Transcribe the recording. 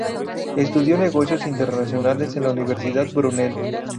Estudió negocios internacionales en la Universidad Brunel.